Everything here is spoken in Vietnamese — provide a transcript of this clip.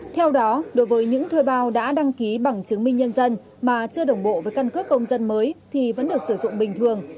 theo đó đối với những thuê bao đã đăng ký bằng chứng minh nhân dân mà chưa đồng bộ với căn cước công dân mới thì vẫn được sử dụng bình thường